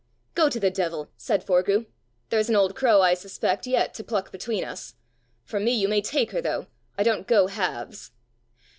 "Go to the devil!" said Forgue; "there's an old crow, I suspect, yet to pluck between us! For me you may take her, though. I don't go halves."